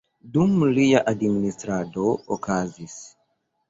Dum lia administrado okazis;